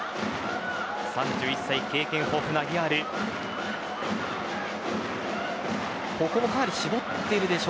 ３１歳経験豊富なアギアールです。